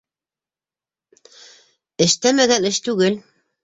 Эштәмәгән эш түгел.